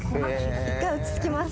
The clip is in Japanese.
一回落ち着きます。